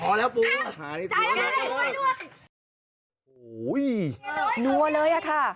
พอแล้วพุมอ่ะหายแต่โอ๊ยหนัวเลยอ่ะค่ะ